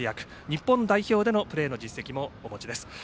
日本代表でのプレーの実績もお持ちです。